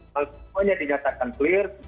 semuanya dinyatakan clear